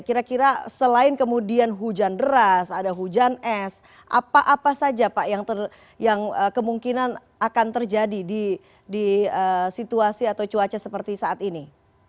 kira kira selain kemudian hujan deras ada hujan es apa apa saja pak yang kemungkinan akan terjadi di situasi atau cuaca seperti saat ini